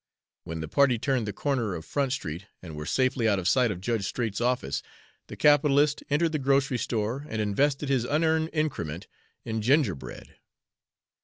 When the party turned the corner of Front Street and were safely out of sight of Judge Straight's office, the capitalist entered the grocery store and invested his unearned increment in gingerbread.